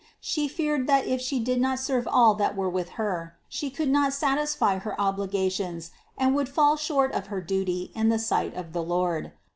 She feared that if She did not serve all that were with Her, She could not satisfy her obligations and would fall short of her duty in the sight of the Lord.